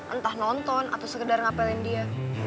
entah nonton atau sekedar ngapelin dia